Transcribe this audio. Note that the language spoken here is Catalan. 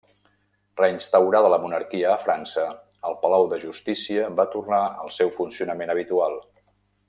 Reinstaurada la monarquia a França, el Palau de Justícia va tornar al seu funcionament habitual.